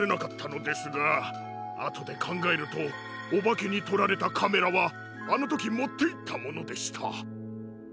あとでかんがえるとおばけにとられたカメラはあのときもっていったものでした。